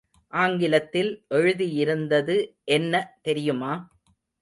ஆங்கிலத்தில் எழுதியிருந்தது என்ன தெரியுமா?